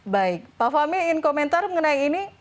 baik pak fahmi ingin komentar mengenai ini